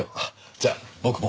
じゃあ僕も。